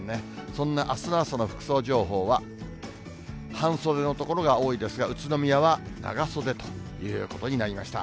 そんなあすの朝の服装情報は、半袖の所が多いですが、宇都宮は長袖ということになりました。